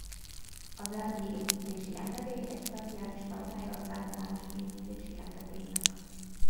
Az elvi építési engedély egy speciális fajtája az általános építési engedélynek.